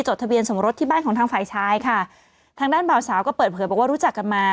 ทะเบียนสมรสที่บ้านของทางฝ่ายชายค่ะทางด้านบ่าวสาวก็เปิดเผยบอกว่ารู้จักกันมา